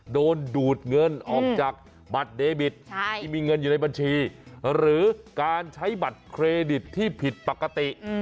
ดูดเงินออกจากบัตรเดบิตที่มีเงินอยู่ในบัญชีหรือการใช้บัตรเครดิตที่ผิดปกติ